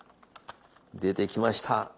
出てきました。